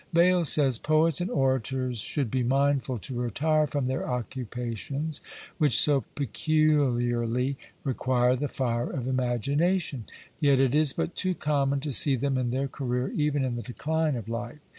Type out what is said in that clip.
Bayle says, "Poets and orators should be mindful to retire from their occupations, which so peculiarly require the fire of imagination; yet it is but too common to see them in their career, even in the decline of life.